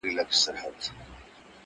د زمان بلال به کله، کله ږغ کي!!